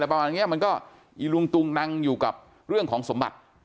มันก็อิรุงตุงนังอยู่กับเรื่องของสมบัติ